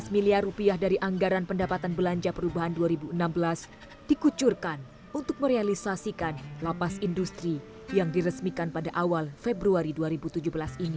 lima belas miliar rupiah dari anggaran pendapatan belanja perubahan dua ribu enam belas dikucurkan untuk merealisasikan lapas industri yang diresmikan pada awal februari dua ribu tujuh belas ini